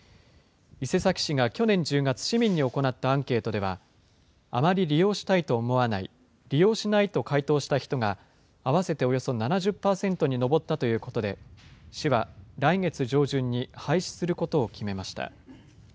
伊勢崎市が去年１０月、市民に行ったアンケートでは、あまり利用したいと思わないが、利用しないと回答した人が、合わせておよそ７０％に上ったということで、市は来月上旬に廃止することを決めました。